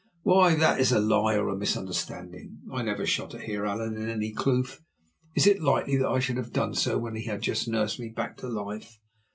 "Why, that it is a lie or a misunderstanding. I never shot at Heer Allan in any kloof. Is it likely that I should have done so when he had just nursed me back to life?